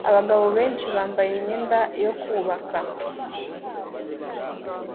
Abagabo benshi bambaye imyenda yo kubaka